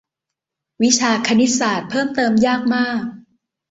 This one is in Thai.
วิชาคณิตศาสตร์เพิ่มเติมยากมาก